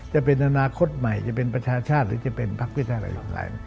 จะเป็นอนาคตใหม่จะเป็นประชาชาติจะเป็นภาคพิทธิ์หลาย